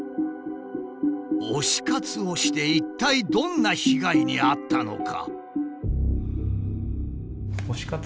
推し活をして一体どんな被害に遭ったのか？